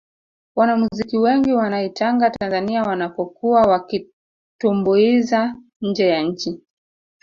wanamuziki wengi wanaitanga tanzania wanapokuwa wakitumbuiza nje ya nchi